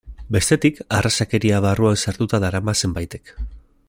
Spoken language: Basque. Bestetik, arrazakeria barruan sartuta darama zenbaitek.